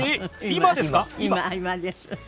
今です。